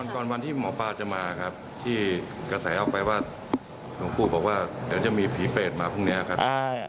ก่อนวันที่หมอปลาจะมาครับที่กระแสออกไปว่าหลวงปู่บอกว่าเดี๋ยวจะมีผีเปรตมาพรุ่งนี้ครับ